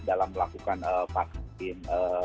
dalam melakukan vaksin